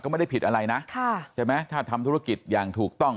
ไม่ได้ผิดอะไรนะค่ะใช่ไหมถ้าทำธุรกิจอย่างถูกต้อง